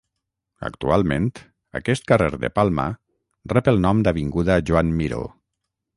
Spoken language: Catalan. Actualment, aquest carrer de Palma rep el nom d'Avinguda Joan Miró.